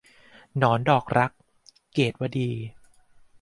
หนอนดอกรัก - เกตุวดี